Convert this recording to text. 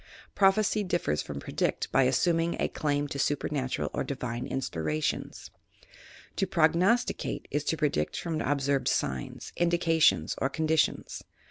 Prophecy differs from predict by assuming a claim to supernatural or divine inspiration. To prognosticate YOUR PSYCHIC POWEHS is to predict from observed signs, indications, or con ditions.